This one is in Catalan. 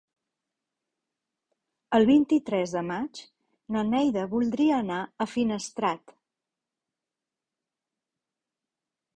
El vint-i-tres de maig na Neida voldria anar a Finestrat.